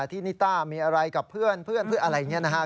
ที่นิตต้ามีอะไรกับเพื่อนเพื่อนเพื่อนอะไรอย่างนี้นะครับ